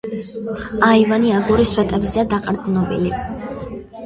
აივანი აგურის სვეტებზეა დაყრდნობილი.